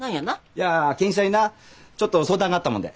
いや健一さんになちょっと相談があったもんで。